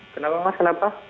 kenapa mas kenapa